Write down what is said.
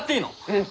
うん。